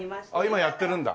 今やってるんだ。